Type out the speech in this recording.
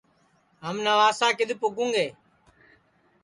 ہم نوابشاہ کِدؔ پُگوں گے